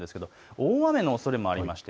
大雨のおそれもあります。